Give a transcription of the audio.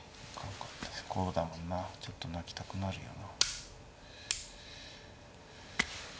こうだもんなちょっと泣きたくなるよな。